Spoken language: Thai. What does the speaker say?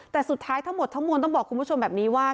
แต่สุดท้ายทั้งหมดทั้งมวลต้องบอกคุณผู้ชมแบบนี้ว่า